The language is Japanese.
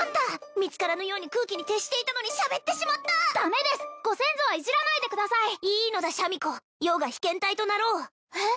見つからぬように空気に徹していたのに喋ってしまったダメですご先祖はいじらないでくださいいいのだシャミ子余が被検体となろうえっ？